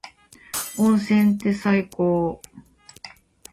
温泉って最高。